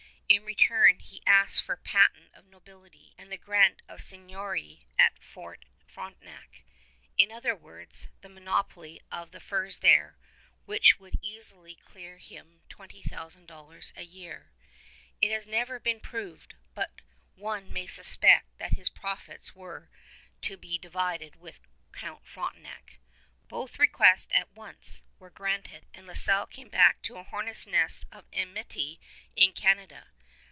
In return, he asked for patent of nobility and the grant of a seigniory at Fort Frontenac; in other words, the monopoly of the furs there, which would easily clear him $20,000 a year. It has never been proved, but one may suspect that his profits were to be divided with Count Frontenac. Both requests were at once granted; and La Salle came back to a hornet's nest of enmity in Canada.